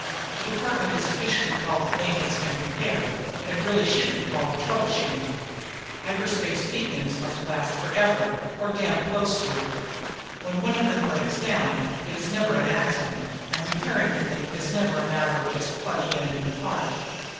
"This department is officially called Maintenance and Repair, when it really should be called trouble shooting. Hyperspace beacons are made to last forever or damn close to it. When one of them breaks down, it is never an accident, and repairing the thing is never a matter of just plugging in a new part."